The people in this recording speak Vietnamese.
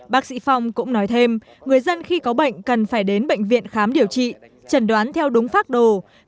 bác sĩ phong cũng nói thêm người dân khi có bệnh cần phải đến bệnh viện khám điều trị trần đoán theo đúng phác đồ